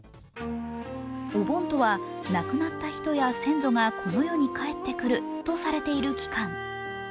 お盆とはなくなった人や先祖がこの世に帰ってくるとされる期間。